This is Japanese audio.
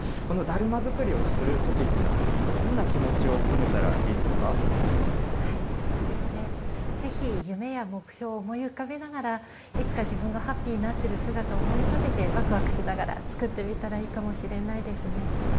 このだるま作りをするときっていうのは、どんな気持ちを込めたらそうですね、ぜひ夢や目標を思い浮かべながら、いつか自分がハッピーになっている姿を思い浮かべて、わくわくしながら作ってみたらいいかもしれないですね。